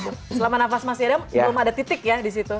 selama nafas masih ada belum ada titik ya disitu